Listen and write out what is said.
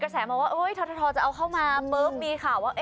แสมาว่าททจะเอาเข้ามาปุ๊บมีข่าวว่า